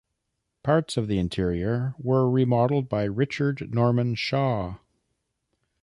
Parts of the interior were remodelled by Richard Norman Shaw.